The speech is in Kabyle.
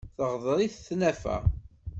Teɣder-it tnafa.